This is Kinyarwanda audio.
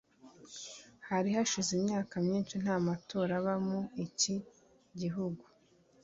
Hari hashize imyaka myinshi nta matora aba mu iki gihugu